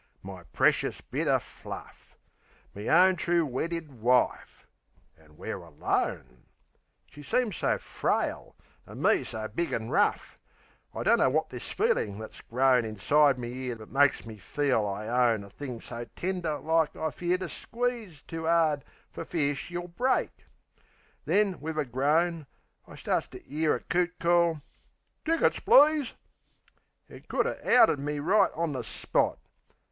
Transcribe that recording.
My precious bit o' fluff! Me own true weddid wife!...An' we're alone! She seems so frail, an' me so big an' rough I dunno wot this feelin' is that's grown Inside me 'ere that makes me feel I own A thing so tender like I fear to squeeze Too 'ard fer fear she'll break...Then, wiv a groan I starts to 'ear a coot call, "Tickets, please!" You could 'a' outed me right on the spot!